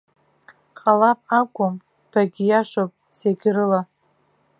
Ҟалап акәым, багьиашоуп зегьрыла.